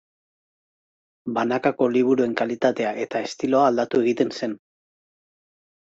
Banakako liburuen kalitatea eta estiloa aldatu egiten zen.